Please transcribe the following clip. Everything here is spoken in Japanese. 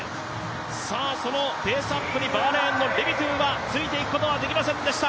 そのペースアップにバーレーンのレビトゥはついていくことができませんでした。